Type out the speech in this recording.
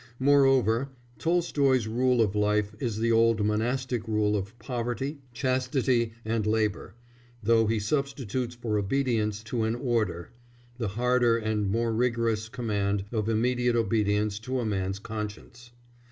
Moreover, Tolstoy's rule of life is the old monastic rule of poverty, chastity, and labour, though he substitutes for obedience to an "Order," the harder and more rigorous command of immediate obedience to a man's conscience.